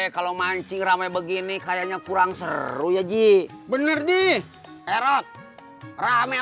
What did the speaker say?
hai anak anak udah pulang sekolah belum ya